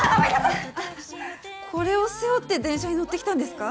これを背負って電車に乗って来たんですか？